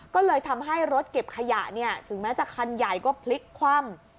ก็เลยทำให้รถเก็บขยะเนี่ยถึงแม้จะคันใหญ่ก็พลิกคว่ำ